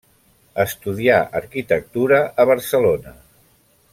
Estudià arquitectura a Barcelona.